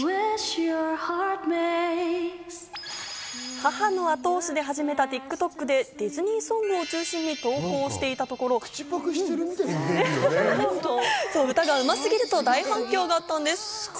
母の後押しで始めたＴｉｋＴｏｋで、ディズニーソングを中心に投稿していたところ、歌がうますぎると大反響だったんです。